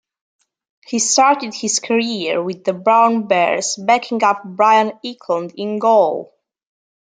He started his career with the Brown Bears backing up Brian Eklund in goal.